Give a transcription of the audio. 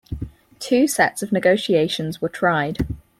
Two sets of negotiations were tried.